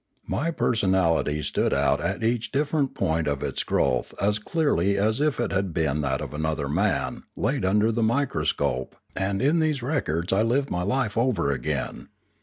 My personality stood The Manora and the Imanora 54 * out at each different point of its growth as clearly as if it had been that of another man laid under the micro scope and in these records I lived ray life over again.